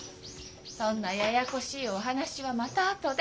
そんなややこしいお話はまた後で。